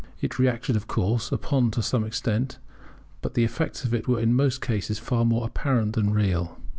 It reacted, of course, upon it to some extent, but the effects of this were in most cases far more apparent than real.